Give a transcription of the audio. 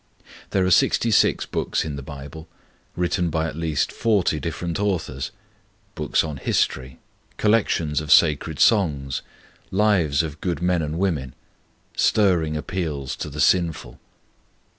There are sixty six books in the Bible, written by at least forty different authors. Books on history; collections of sacred songs; lives of good men and women; stirring appeals to the sinful.